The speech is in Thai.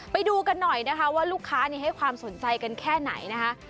ไปดูกันหน่อยนะคะว่าลูกค้าให้ความสนใจกันแค่ไหนนะคะ